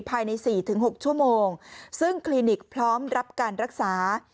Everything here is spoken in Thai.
ภายใน๔๖ชั่วโมงซึ่งคลินิกพร้อมรับการรักษา